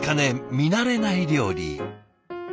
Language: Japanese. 見慣れない料理。